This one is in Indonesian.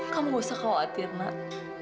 kamu gak usah khawatir nak